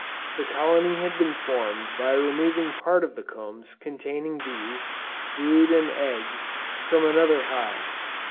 The colony had been formed by removing part of the combs containing bees, brood and eggs from another hive.